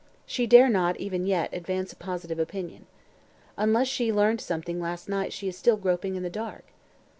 She dare not, even yet, advance a positive opinion. Unless she learned something last night she is still groping in the dark."